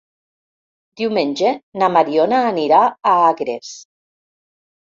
Diumenge na Mariona anirà a Agres.